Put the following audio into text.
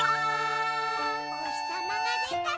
「おひさまがでたら」